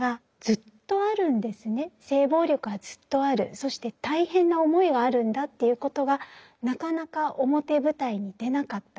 そして大変な思いがあるんだということがなかなか表舞台に出なかった。